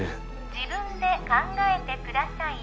自分で考えてください